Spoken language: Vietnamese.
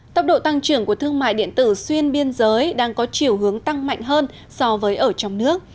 tốc độ tăng trưởng của thương mại điện tử xuyên biên giới đang có chiều hướng tăng mạnh hơn so với ở trong nước